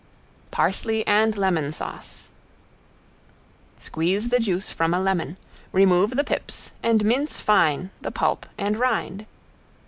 ~PARSLEY AND LEMON SAUCE~ Squeeze the juice from a lemon, remove the pips, and mince fine the pulp and rind.